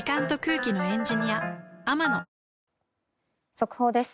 速報です。